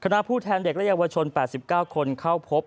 คณะผู้แทนเด็กและเยาวะชนแปดสิบเก้าคนเข้าพบ